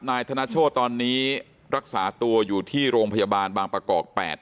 นายธนโชธตอนนี้รักษาตัวอยู่ที่โรงพยาบาลบางประกอบ๘